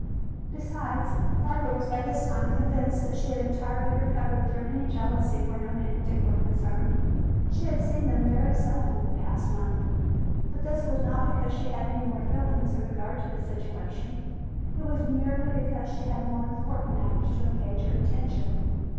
Besides, Barbara was by this time convinced that she had entirely recovered from any jealousy where Nona and Dick were concerned. She had seen them very seldom in the past month. But this was not because she had any more feeling in regard to the situation. It was merely because she had more important matters to engage her attention.